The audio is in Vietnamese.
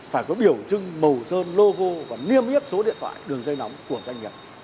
phải có biểu trưng màu sơn logo và niêm yết số điện thoại đường dây nóng của doanh nghiệp